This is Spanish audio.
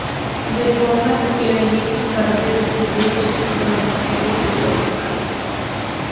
De forma que queden listos para ser distribuidos con el paquete de software.